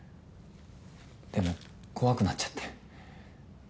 でも怖くなっちゃって。